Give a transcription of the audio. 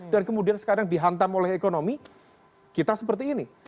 dan kemudian sekarang dihantam oleh ekonomi kita seperti ini